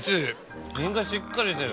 身がしっかりしてる。